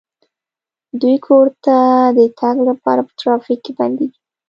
دوی کور ته د تګ لپاره په ترافیک کې بندیږي